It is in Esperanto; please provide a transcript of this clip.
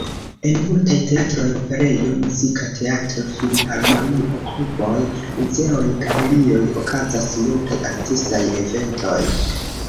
En multaj teatroj, operejo, muzika teatro, filharmonio, kluboj, muzeoj, galerioj, okazas multaj artistaj eventoj.